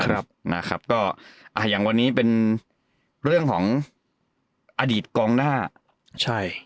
ครับนะครับก็อ่าอย่างวันนี้เป็นเรื่องของอดีตกองหน้าใช่